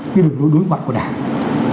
cái đối mặt của đảng